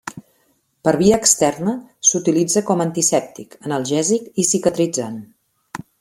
Per via externa s'utilitza com antisèptic, analgèsic i cicatritzant.